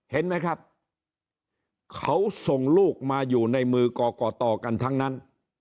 เห็นไหมครับเขาส่งลูกมาอยู่ในมือก่อก่อต่อกันทั้งนั้น